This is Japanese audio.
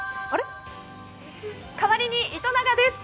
代わりに糸永です。